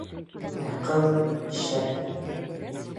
Ә ҡыҙ... шәп!